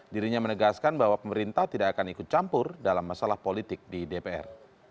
dirinya menegaskan bahwa pemerintah tidak akan ikut campur dalam masalah politik di dpr